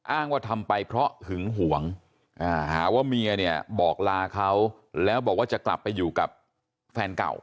อ้างว่าทำไปเพราะหึงหวงหาว่าเมียเนี่ยบอกลาเขาแล้วบอกว่าจะกลับไปอยู่กับแฟนเก่า